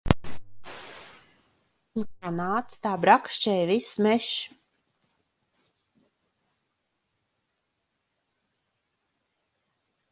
Un kā nāca, tā brakšķēja viss mežs.